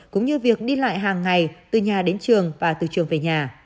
cũng như việc đi lại hàng ngày từ nhà đến trường và từ trường về nhà